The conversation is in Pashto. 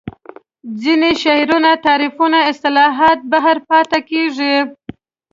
ځینې شعارونه تعریفونه اصطلاحات بهر پاتې کېږي